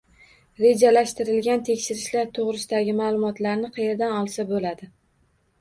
Rejalashtirilgan tekshirishlar to‘g‘risidagi ma’lumotlarni qayerdan olsa bo‘ladi?